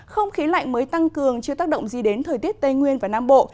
không khí lạnh mới tăng cường chưa tác động gì đến thời tiết tây nguyên và nam bộ